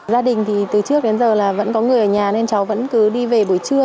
gia đình thì từ trước đến giờ là vẫn có người ở nhà nên cháu vẫn cứ đi về buổi trưa